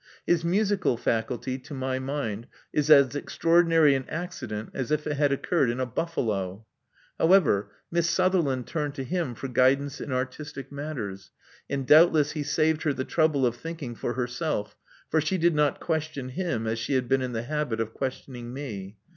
His musical faculty, to my mind, is as extraordinary an accident as if it had occurred in a buffalo. However, Miss Sutherland turned to him for guidance in artistic matters; and doubtless he saved her the trouble of thinking for herself ; for she did not question him as she had been in the habit of question ing me.